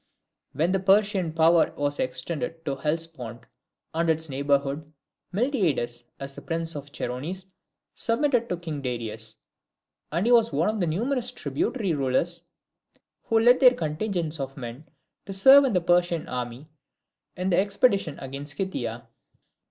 When the Persian power was extended to the Hellespont and its neighbourhood, Miltiades, as prince of the Chersonese, submitted to King Darius; and he was one of the numerous tributary rulers who led their contingents of men to serve in the Persian army in the expedition against Scythia.